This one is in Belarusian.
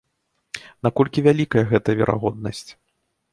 Наколькі вялікая гэтая верагоднасць?